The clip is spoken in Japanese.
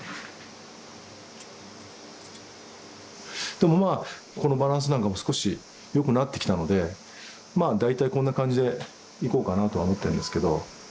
でもまあこのバランスなんかも少し良くなってきたのでまあ大体こんな感じでいこうかなとは思ってんですけど問題は目ですよね。